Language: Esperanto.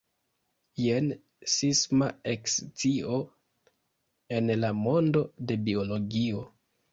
Jen sisma ekscio en la mondo de biologio.